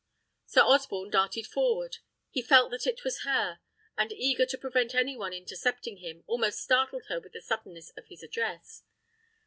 Sir Osborne darted forward. He felt that it was her; and, eager to prevent any one intercepting him, almost startled her with the suddenness of his address.